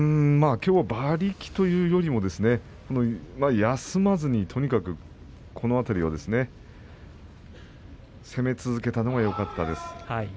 きょう馬力というよりも休まずに、とにかく攻め続けたのがよかったかなと思います。